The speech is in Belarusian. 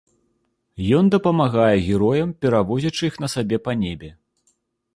Ён дапамагае героям, перавозячы іх на сабе па небе.